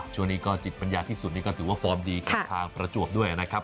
ช่วงนี้ก็จิตปัญญาที่สุดนี่ก็ถือว่าฟอร์มดีกับทางประจวบด้วยนะครับ